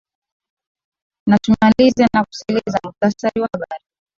na tumalize kwa kusikiliza muhtasari wa habari